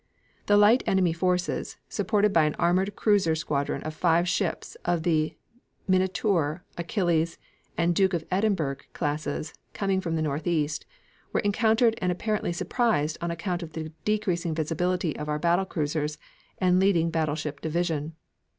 The light enemy forces, supported by an armored cruiser squadron of five ships of the Minatour, Achilles, and Duke of Edinburgh classes coming from the northeast, were encountered and apparently surprised on account of the decreasing visibility of our battle cruisers and leading battleship division.